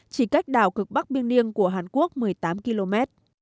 chỉ cách đảo cực bắc biên niêng của hàn quốc một mươi tám km